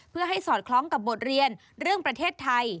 เพื่อให้สอดคล้องกับบทเรียนเรื่องประเทศไทย